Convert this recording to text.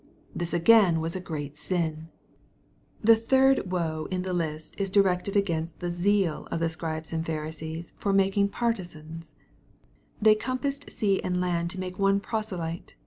This again was a great si^l! The third " woe" in the list is directed against the zeal of the Scribes and Pharisees for making partisans They " compassed sea and land to make one proselyte.